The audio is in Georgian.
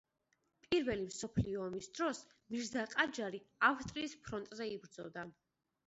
პირველი მსოფლიო ომის დროს, მირზა ყაჯარი ავსტრიის ფრონტზე იბრძოდა.